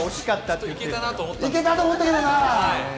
いけたと思ったんですけどね。